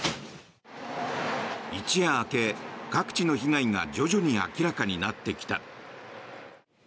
一夜明け、各地の被害が徐々に明らかになってきた。